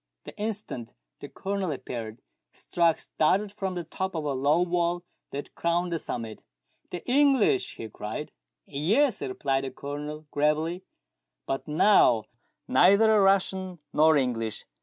The instant the Colonel appeared, Strux darted from the top of a low wall that crowned the summit. "The English !" he cried. " Yes," replied the Colonel gravely; "but now neither Russian nor English.